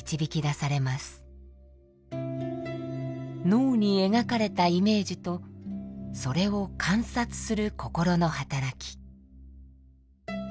脳に描かれたイメージとそれを観察する心の働き。